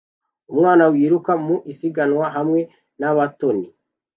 Umwana wiruka mu isiganwa hamwe na batoni